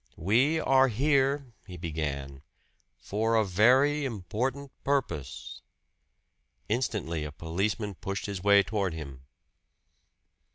"We are here," he began, "for a very important purpose " Instantly a policeman pushed his way toward him.